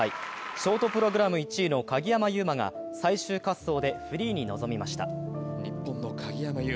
ショートプログラム１位の鍵山優真が最終滑走でフリーに臨みました。